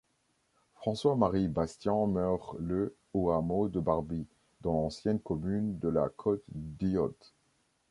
François-Marie Bastian meurt le au hameau de Barby, dans l'ancienne commune de La Côte-d'Hyot.